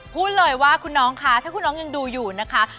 พูดเลยว่าคุณน้องคะถ้าคุณน้องยังดูอยู่นะคะ